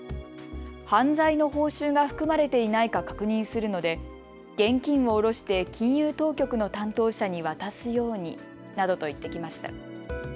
犯罪の報酬が含まれていないか確認するので現金を下ろして金融当局の担当者に渡すようになどと言ってきました。